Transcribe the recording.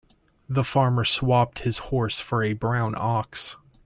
The farmer swapped his horse for a brown ox.